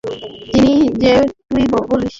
কী যে তুই বলিস!